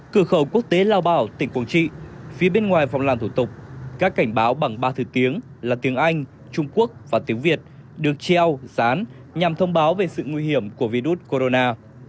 cửa khẩu quốc tế lao bảo tỉnh quảng trị phía bên ngoài phòng làm thủ tục các cảnh báo bằng ba thứ tiếng là tiếng anh trung quốc và tiếng việt được treo dán nhằm thông báo về sự nguy hiểm của virus corona